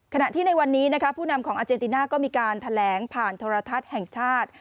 ขณะที่ในวันนี้นะคะผู้นำของอาเจนติน่าก็มีการแถลงผ่านโทรทัศน์แห่งชาติ